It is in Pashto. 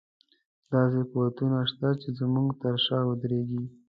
داسې قوتونه شته چې زموږ تر شا ودرېږي.